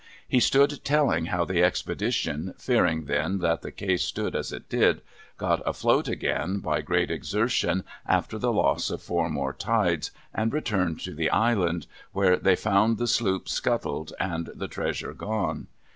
He stood telling how the KxiK'dition, fearing then that the case stood as it did, got afloat again, by great exertion, after the loss of four more tides, and returned to the Island, where they found the sloop scuttled and the treasure gone.